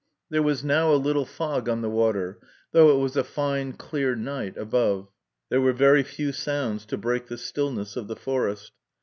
There was now a little fog on the water, though it was a fine, clear night above. There were very few sounds to break the stillness of the forest.